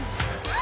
あ！